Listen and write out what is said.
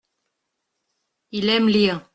Il aime lire.